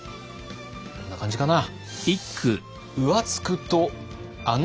こんな感じかな。